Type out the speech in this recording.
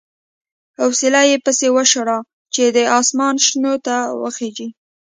اوسیلی یې پسې وشاړه چې د اسمان شنو ته وخېژي.